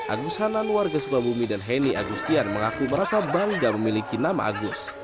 agus hanan warga sukabumi dan heni agustian mengaku merasa bangga memiliki nama agus